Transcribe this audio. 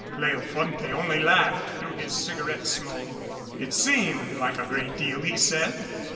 Cleofonte only laughed through his cigarette smoke. It seemed like a great deal, he said.